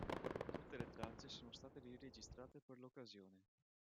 Tutte le tracce sono state ri-registrate per l'occasione.